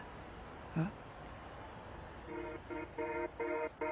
えっ？